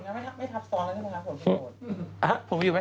แต่ผลงานไม่ทับซ้อนแล้วใช่ไหมครับ